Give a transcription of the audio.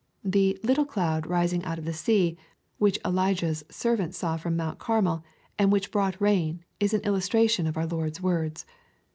The " little cloud" rising out of the sea, which Elijah's ser vant saw from Mount Carmel, and which brought rain, is an illus tration of our Lord's words.